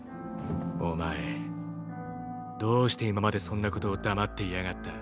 お前どうして今までそんなことを黙っていやがった？